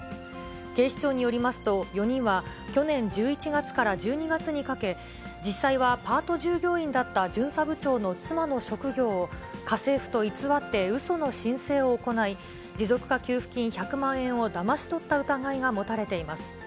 警視庁によりますと、４人は去年１１月から１２月にかけ、実際はパート従業員だった巡査部長の妻の職業を、家政婦と偽ってうその申請を行い、持続化給付金１００万円をだまし取った疑いが持たれています。